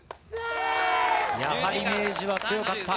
やはり明治は強かった。